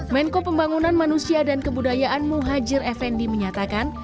menko pembangunan manusia dan kebudayaan muhajir effendi menyatakan